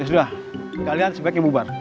ya sudah kalian sebaiknya bubar